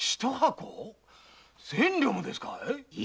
千両もですかい？